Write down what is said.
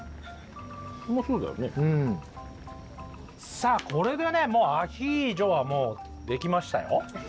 さあこれでねもうアヒージョはもうできましたよ。